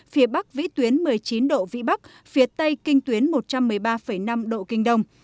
phía bắc vĩ tuyến một mươi chín độ vĩ bắc phía tây kinh tuyến một trăm một mươi bảy